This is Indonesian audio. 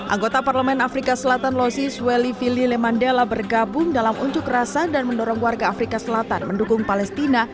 anggota parlemen afrika selatan losi swelly fili lemandela bergabung dalam unjuk rasa dan mendorong warga afrika selatan mendukung palestina